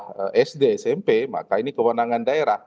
kalau sd smp maka ini kewenangan daerah